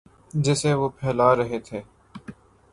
جسے وہ پھیلا رہے تھے۔